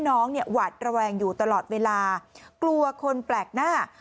น้องเนี่ยหวาดระแวงอยู่ตลอดเวลากลัวคนแปลกหน้า